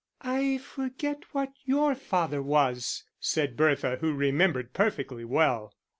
"I forget what your father was?" said Bertha, who remembered perfectly well.